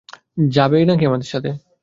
যাবে নাকি আমাদের সাথে?